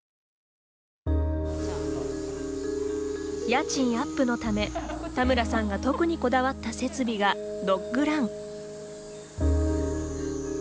家賃アップのため、田村さんが特にこだわった設備がドッグラン。